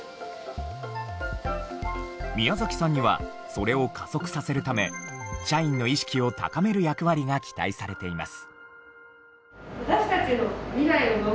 宮さんにはそれを加速させるため社員の意識を高める役割が期待されています。